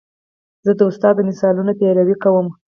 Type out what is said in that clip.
زه د استاد د مثالونو پیروي کوم.